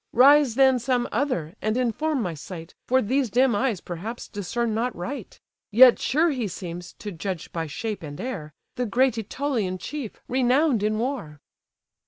Rise then some other, and inform my sight, For these dim eyes, perhaps, discern not right; Yet sure he seems, to judge by shape and air, The great Ætolian chief, renown'd in war."